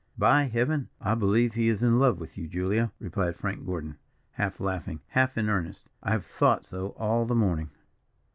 "By Heaven! I believe he is in love with you, Julia," replied Frank Gordon, half laughing, half in earnest. "I have thought so all the morning."